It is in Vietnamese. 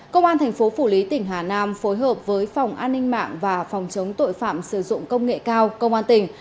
công an thành phố phủ lý tỉnh hà nam phối hợp với phòng an ninh mạng và phòng chống tội phạm sử dụng công nghệ cao công an tỉnh